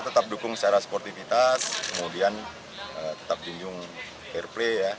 ya tetap dukung secara sportifitas kemudian tetap dinjung fair play ya